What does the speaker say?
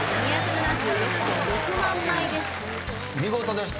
見事でした。